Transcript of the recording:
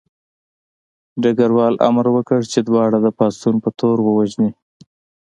ډګروال امر وکړ چې دواړه د پاڅون په تور ووژني